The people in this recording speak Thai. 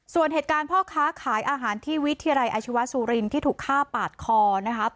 ส่วนเหตุการณ์พ่อค้าขายอาหารที่วิทยาลัยอาชีวะสุรินที่ถูกฆ่าปาดคอนะคะ